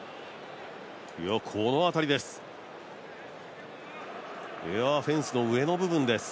この当たりです。